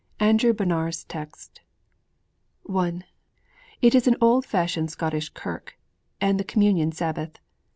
XX ANDREW BONAR'S TEXT I It is an old fashioned Scottish kirk and the Communion Sabbath.